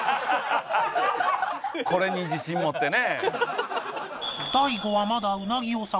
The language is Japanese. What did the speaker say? これに自信持ってね。